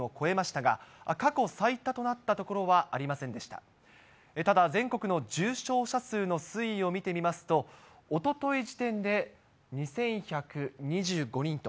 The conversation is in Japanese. ただ、全国の重症者数の推移を見てみますと、おととい時点で２１２５人と、